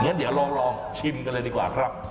เดี๋ยวลองชิมกันเลยดีกว่าครับ